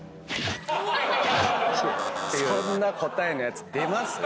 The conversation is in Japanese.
そんな答えのやつ出ます？